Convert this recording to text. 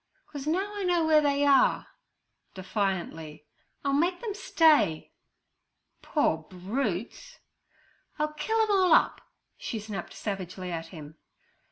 'Cos now I know ware they are'—defiantly. 'I'll make them stay.' 'Poor brutes!' 'I'll kill 'em all up!' she snapped savagely at him.